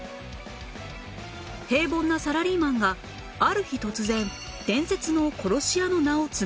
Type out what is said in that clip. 平凡なサラリーマンがある日突然伝説の殺し屋の名を継ぐ事に！？